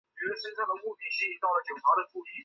町内有东急田园都市线驹泽大学站。